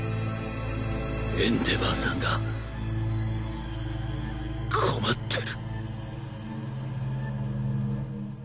エンデヴァーさんが困ってる。